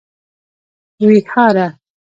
ويهاره